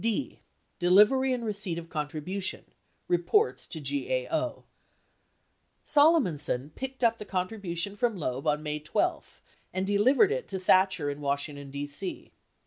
D. Delivery and Receipt or Contribution — Reports to GAO Solomonson picked up the contribution from Loeb on May 12 and delivered it to Thatcher in Washington, D.C.